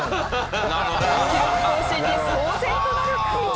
記録更新に騒然となる会場。